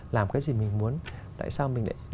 làm cái gì mình muốn tại sao mình lại